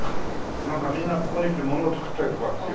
なんかみんなここに来て物を作ったりとかっていう。